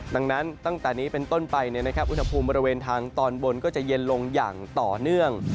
ดังนั้นตั้งแต่นี้เป็นต้นไปอุณหภูมิบริเวณทางตอนบนก็จะเย็นลงอย่างต่อเนื่อง